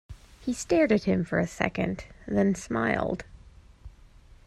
He stared at him for a second, then smiled.